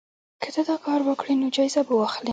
که ته دا کار وکړې نو جایزه به واخلې.